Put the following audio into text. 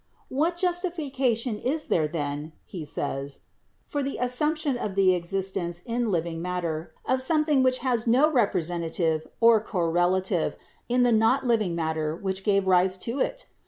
"What justification is there, then," he says, "for the assumption of the existence in the living matter of a something which has no representative, or correlative, in the not living matter which gave rise to it